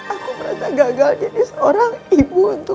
aku merasa gagal jadi seorang ibu untuk